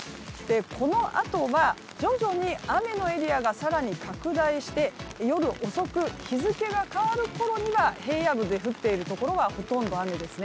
このあとは徐々に雨のエリアが更に拡大して夜遅く、日付が変わるころには平野部で降っているものはほとんど雨ですね。